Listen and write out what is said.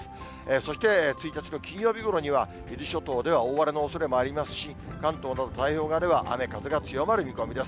そして１日の金曜日ごろには、伊豆諸島では大荒れのおそれもありますし、関東など太平洋側では雨風が強まる見込みです。